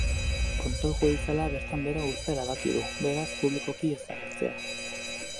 Kontrol judiziala bertan behera uztea erabaki du, beraz, publikoki ez agertzea.